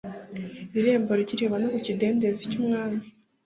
Irembo ry Iriba no ku Kidendezi cy Umwami